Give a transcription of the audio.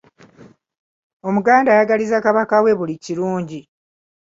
Omuganda ayagaliza Kabaka we buli kirungi.